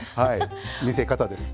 見せ方です。